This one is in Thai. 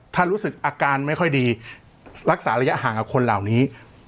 ถ้ารู้สึกอาการไม่ค่อยดีรักษาระยะห่างกับคนเหล่านี้